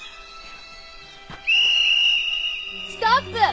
ストップ！